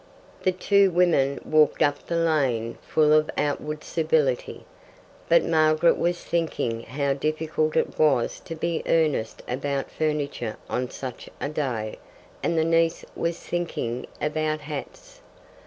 The two women walked up the lane full of outward civility. But Margaret was thinking how difficult it was to be earnest about furniture on such a day, and the niece was thinking about hats.